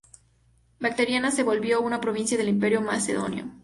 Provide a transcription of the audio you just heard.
Bactriana se volvió una provincia del Imperio macedonio.